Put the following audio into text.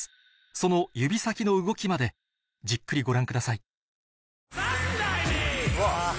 その指先の動きまでじっくりご覧ください・ ＥＬＬＹ！